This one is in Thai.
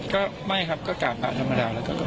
ก็ไม่ครับก็กากมาธรรมดาแล้วก็ออกมาครับ